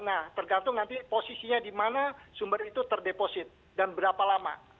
nah tergantung nanti posisinya di mana sumber itu terdeposit dan berapa lama